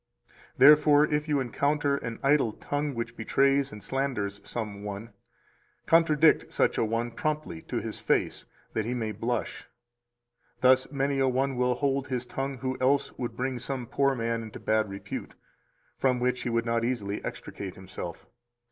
273 Therefore, if you encounter an idle tongue which betrays and slanders some one, contradict such a one promptly to his face, that he may blush; thus many a one will hold his tongue who else would bring some poor man into bad repute, from which he would not easily extricate himself.